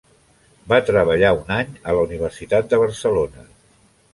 Va treballar un any a la Universitat de Barcelona.